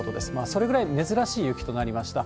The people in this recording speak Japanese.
それぐらい珍しい雪となりました。